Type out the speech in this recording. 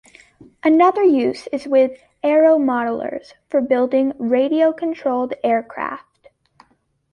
Another use is with aero-modellers for building radio-controlled aircraft.